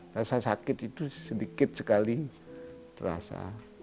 rasa sakit itu sedikit sekali terasa